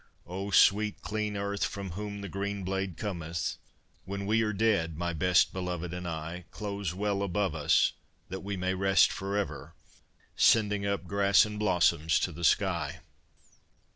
O sweet clean earth, from whom the green blade cometh! When we are dead, my best belovèd and I, Close well above us, that we may rest forever, Sending up grass and blossoms to the sky.